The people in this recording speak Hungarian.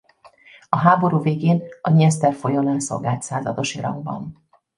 A háború végén a Dnyeszter folyónál szolgált századosi rangban.